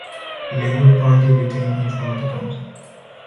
The Labour Party retained control of the Council.